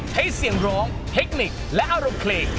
เสียงร้องเทคนิคและอารมณ์เพลง